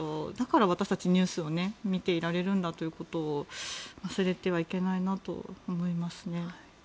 だから私たちニュースを見ていられるんだということを忘れてはいけないと思いますね。